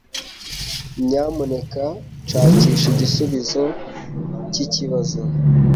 Nyamuneka shakisha igisubizo cyikibazo.